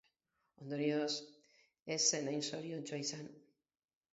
Ondorioz, ez zen hain zoriontsua izan.